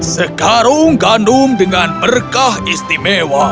sekarung gandum dengan berkah istimewa